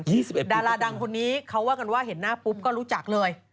ดาราดังคนนี้เขาว่ากันว่าเห็นหน้าปุ๊บก็รู้จักเลย